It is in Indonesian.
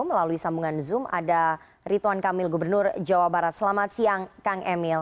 melalui sambungan zoom ada rituan kamil gubernur jawa barat selamat siang kang emil